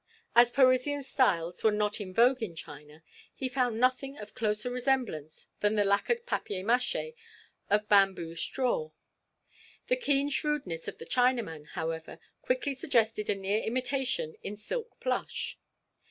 As Parisian styles were not in vogue in China, he found nothing of closer resemblance than the lacquered papier mache or bamboo straw. The keen shrewdness of the Chinaman, however, quickly suggested a near imitation in silk plush.